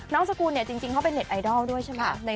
สกุลเนี่ยจริงเขาเป็นเน็ตไอดอลด้วยใช่ไหม